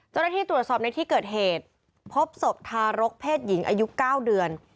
เจ้าหน้าที่ตรวจสอบในที่เกิดเหตุพบศพทารกเพศหญิงอายุ๙เดือน